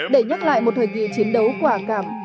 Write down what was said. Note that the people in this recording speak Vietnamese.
để nhắc lại một thời kỳ chiến đấu quả cảm